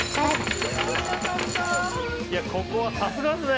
ここはさすがですね